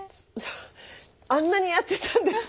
あんなにやってたんですか？